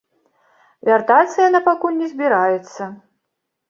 Вяртацца яна пакуль не збіраецца.